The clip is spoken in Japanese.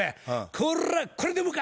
「コラこれでもか！」